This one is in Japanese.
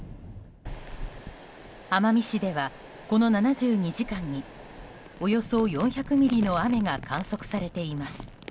奄美市では、この７２時間におよそ４００ミリの雨が観測されています。